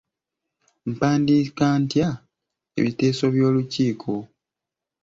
Mpandiika ntya ebiteeso by'olukiiko?